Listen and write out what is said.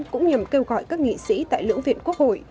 cũng nhằm kêu gọi các nghị sĩ tại lưỡng viện quốc hội